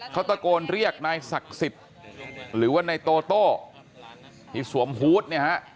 เขาตะโกนเรียกนายศักดิ์สิทธิ์หรือว่านายโตโต้ที่สวมฮูตเนี่ยฮะ